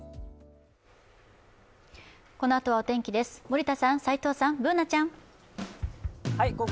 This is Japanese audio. このあとはお天気です、森田さん、Ｂｏｏｎａちゃん、齋藤さん。